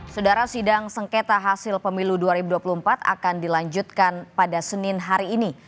saudara sidang sengketa hasil pemilu dua ribu dua puluh empat akan dilanjutkan pada senin hari ini